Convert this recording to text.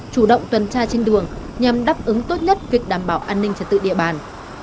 chủ động tuần tra trên đường nhằm đáp ứng tốt nhất việc đảm bảo an ninh trật tự địa bàn